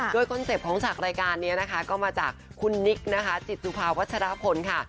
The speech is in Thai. โดยคอนเซ็ปต์ของฉากรายการนี้นะคะก็มาจากคุณนิกนะคะจิตสุภาวัชรพลค่ะ